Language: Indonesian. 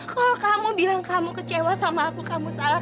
kalau kamu bilang kamu kecewa sama aku kamu salah